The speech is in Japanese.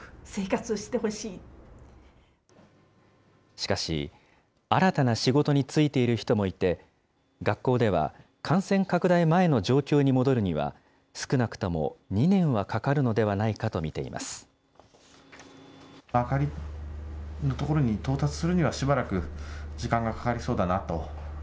しかし、新たな仕事に就いている人もいて、学校では感染拡大前の状況に戻るには、少なくとも２年はかかるのではないかと見ています。